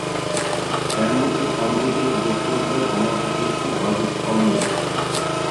ئەمدى ئۇ ئامېرىكىلىق دوختۇر بىلەن ئالاقە قىلىشنىڭ ھاجىتى قالمىدى.